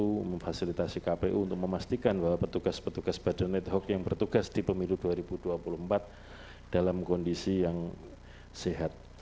kpu memfasilitasi kpu untuk memastikan bahwa petugas petugas badan net hoc yang bertugas di pemilu dua ribu dua puluh empat dalam kondisi yang sehat